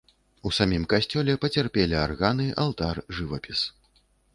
У самім касцёле пацярпелі арганы, алтар, жывапіс.